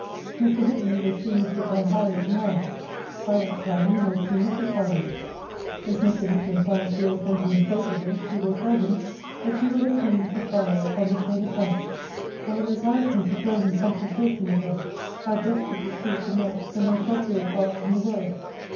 Mr. Hickman will see Mr. John Harlowe to morrow: by that time you may see Mrs. Harlowe. If Mr. Hickman finds the old gentleman favourable, he will tell him, that you will have seen Mrs. Harlowe upon the same account; and will advise him to join in consultation with her how best to proceed to melt the most obdurate heart in the world.